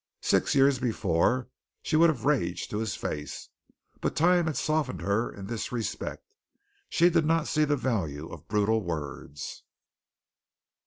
Six years before she would have raged to his face, but time had softened her in this respect. She did not see the value of brutal words.